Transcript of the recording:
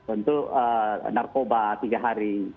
untuk narkoba tiga hari